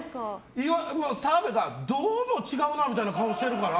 澤部が、どうも違うなみたいな顔してるから。